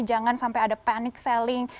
jangan sampai ada panic selling